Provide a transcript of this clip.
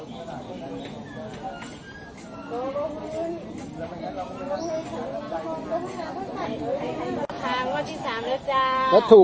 พิการนำไว้